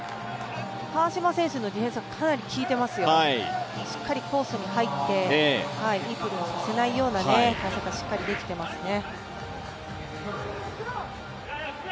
川島選手のディフェンスはかなり効いていますよ、しっかりコースに入っていいプレーをさせないような対策はできていますね。